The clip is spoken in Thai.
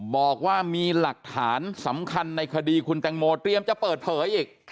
บอกว่ามีหลักฐานสำคัญในคดีคุณแตงโมเตรียมจะเปิดเผยอีก